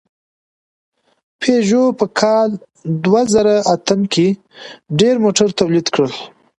پيژو په کال دوهزرهاتم کې ډېر موټر تولید کړل.